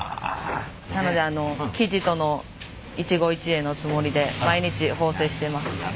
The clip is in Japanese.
なので生地との一期一会のつもりで毎日縫製しています。